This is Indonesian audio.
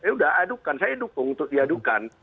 ya udah adukan saya dukung untuk diadukan